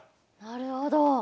なるほど。